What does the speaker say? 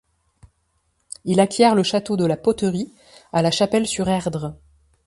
Il acquiert le château de la Poterie à La Chapelle-sur-Erdre.